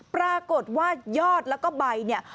ปรากฏว่ายอดแล้วก็ใบเนี่ย